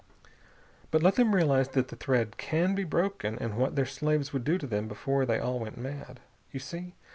But let them realize that the thread can be broken, and what their slaves would do to them before they all went mad.... You see?